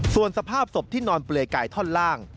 ส่วนสภาพศพที่นอนเปลือยกายท่อนล่าง